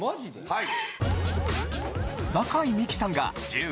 はい。